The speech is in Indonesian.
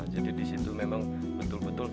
jadi di situ memang betul betul view